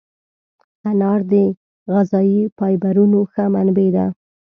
انار د غذایي فایبرونو ښه منبع ده.